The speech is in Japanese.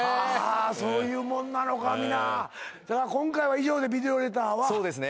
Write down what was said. そういうもんなのかみな今回は以上でビデオレターはそうですね